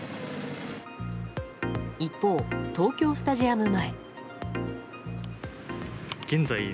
一方、東京スタジアム前。